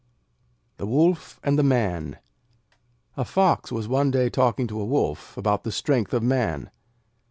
The Wolf and the Man A Fox was one day talking to a Wolf about the strength of man.